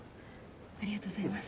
ありがとうございます。